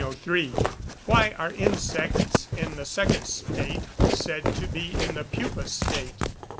_Why are insects in the second state said to be in the "pupa" state?